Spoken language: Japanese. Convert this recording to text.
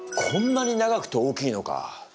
こんなに長くて大きいのか！